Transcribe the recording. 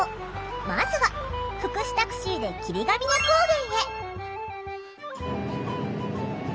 まずは福祉タクシーで霧ヶ峰高原へ。